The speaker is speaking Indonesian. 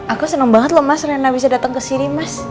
aku seneng banget loh mas rena bisa dateng kesini mas